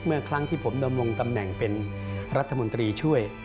เมื่อครั้งที่ผมดำรงตำแหน่งเป็นรัฐมนตรีช่วย